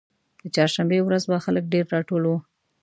د چهارشنبې ورځ وه خلک ډېر راټول وو.